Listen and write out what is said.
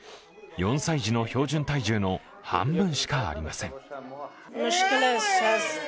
４歳児の標準体重の半分しかありません。